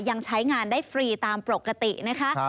ยังใช้งานได้ฟรีตามปกตินะคะ